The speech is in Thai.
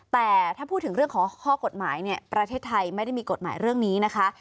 แต่ถ้าพูดถึงเรื่องของข้อกฎหมายเนี่ยประเทศไทยไม่ได้มีกฎหมายเรื่องนี้นะคะ